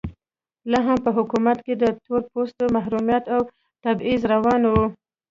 لا هم په حکومت کې د تور پوستو محرومیت او تبعیض روان و.